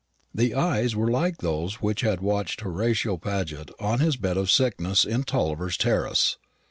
The eyes were like those which had watched Horatio Paget on his bed of sickness in Tulliver's terrace.